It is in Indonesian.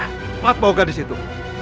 cepat bawa gadis itu